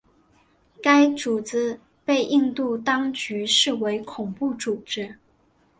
该组织被印度当局视为恐怖组织。